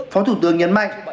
phó thủ tướng nhấn mạnh